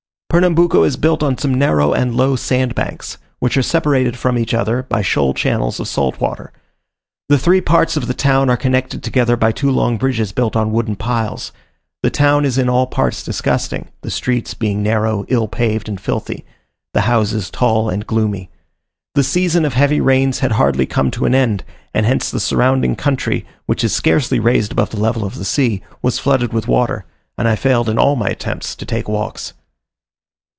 Pernambuco is built on some narrow and low sand banks, which are separated from each other by shoal channels of salt water. The three parts of the town are connected together by two long bridges built on wooden piles. The town is in all parts disgusting, the streets being narrow, ill paved, and filthy; the houses, tall and gloomy. The season of heavy rains had hardly come to an end, and hence the surrounding country, which is scarcely raised above the level of the sea, was flooded with water; and I failed in all my attempts to take walks.